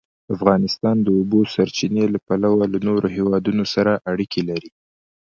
افغانستان د د اوبو سرچینې له پلوه له نورو هېوادونو سره اړیکې لري.